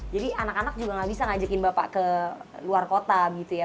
anak anak juga gak bisa ngajakin bapak ke luar kota gitu ya